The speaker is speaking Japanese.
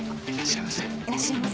いらっしゃいませ。